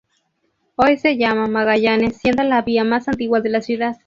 Hoy se llama Magallanes, siendo la vía más antigua de la ciudad.